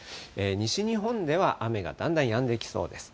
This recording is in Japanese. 西日本では雨がだんだんやんできそうです。